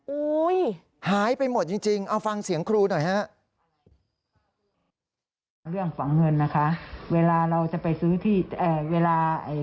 หายไปหมดจริงเอาฟังเสียงครูหน่อยฮะ